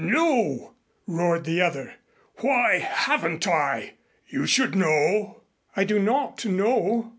"No," roared the other. "Why haven't I? You should know." "I do not know.